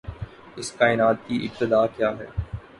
اس کائنات کی ابتدا کیا ہے؟